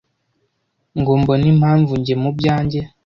Ngo mbone impamvu njye mu byanjye